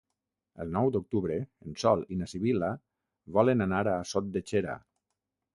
El nou d'octubre en Sol i na Sibil·la volen anar a Sot de Xera.